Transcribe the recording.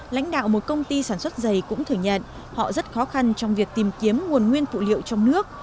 lãnh đạo một công ty sản xuất dày cũng thừa nhận họ rất khó khăn trong việc tìm kiếm nguồn nguyên phụ liệu trong nước